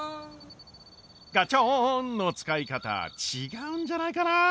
ガチョン！の使い方違うんじゃないかなあ？